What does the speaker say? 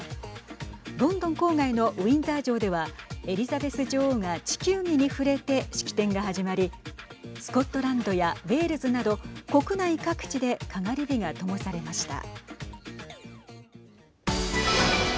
ロンドン郊外のウィンザー城ではエリザベス女王が地球儀に触れて、式典が始まりスコットランドやウェールズなど国内各地でかがり火がともされました。